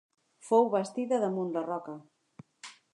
Fou bastida damunt la roca.